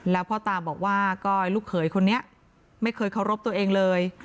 แล้วพ่อตาบอกว่าก็ลูกเขยคนนี้ไม่เคยเคารพตัวเองเลย